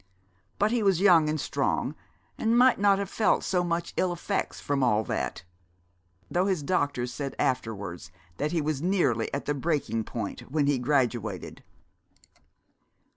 But he was young and strong, and might not have felt so much ill effects from all that; though his doctors said afterwards that he was nearly at the breaking point when he graduated."